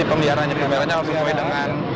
pemeliharaannya harus dipoin dengan